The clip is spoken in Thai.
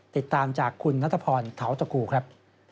ติดตามจากคุณณธพรท้าวตะกูครับ